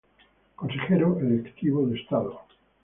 Consejero electivo de Estado.